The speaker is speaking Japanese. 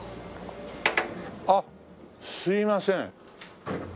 あっすいません。